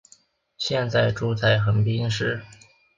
现在住在横滨市。